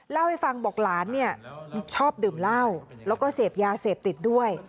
เล่าให้ฟังบอกหลานเนี่ยชอบดื่มเหล้าแล้วก็เสพยาเสพติดด้วย